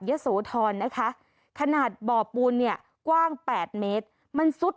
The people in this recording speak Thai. โสธรนะคะขนาดบ่อปูนเนี่ยกว้าง๘เมตรมันซุด